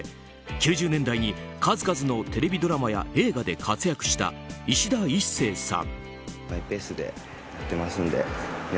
９０年代に数々のテレビドラマや映画で活躍したいしだ壱成さん。